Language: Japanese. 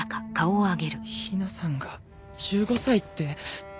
陽菜さんが１５歳って。